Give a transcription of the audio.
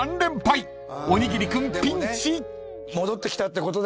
［おにぎり君ピンチ］